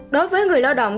đối với người lao động